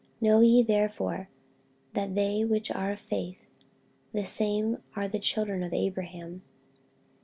48:003:007 Know ye therefore that they which are of faith, the same are the children of Abraham.